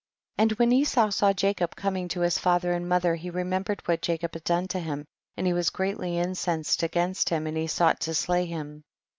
21. And when Esau saw Jacob coming to his father and mother he remembered what Jacob had done to him, and he was greatly incensed against him and he sought to slay him